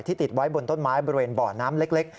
ติดไว้บนต้นไม้บริเวณบ่อน้ำเล็ก